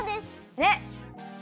ねっ！